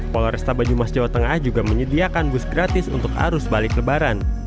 polresta banyumas jawa tengah juga menyediakan bus gratis untuk arus balik lebaran